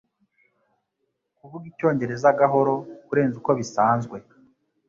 kuvuga icyongereza gahoro kurenza uko bisanzwe